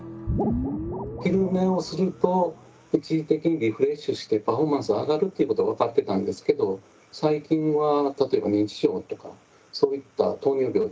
昼寝をすると一時的にリフレッシュしてパフォーマンスが上がるということが分かってたんですけど最近は例えば認知症とかそういった糖尿病ですね